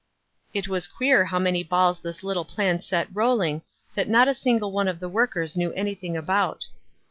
It was queer how many bails this little plan set rolling, that not a single one of the workers knew anything about.